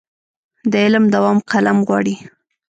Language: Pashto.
د علم دوام قلم غواړي.